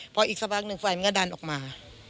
พออีกสักพักหนึ่งไฟมันก็ดันออกมา